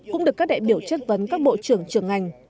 cũng được các đại biểu chất vấn các bộ trưởng trường ngành